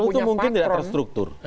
tapi lone wolf itu mungkin tidak terstruktur